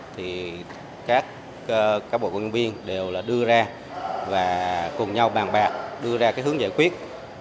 thì các bộ công nhân viên đều đưa ra và cùng nhau bàn bạc đưa ra cái hướng giải quyết